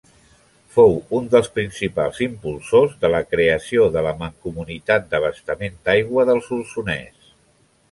Fou un dels principals impulsors de la creació de la Mancomunitat d'Abastament d'Aigua del Solsonès.